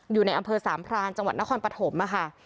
อยู่ในอำเภอสามพรานจังหวัดนครปฐมค่ะ